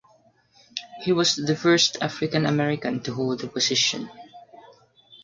He was the first African American to hold the position.